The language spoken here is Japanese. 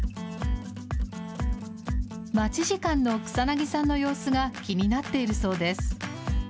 待ち時間の草なぎさんの様子が気になっているそうです。